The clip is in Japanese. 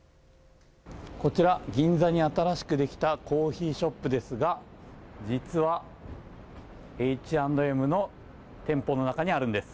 こちら、銀座に新しくできたコーヒーショップですが実はＨ＆Ｍの店舗の中にあるんです。